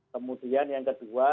kemudian yang kedua